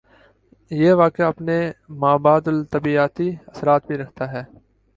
یہ واقعہ اپنے ما بعدالطبیعاتی اثرات بھی رکھتا ہے۔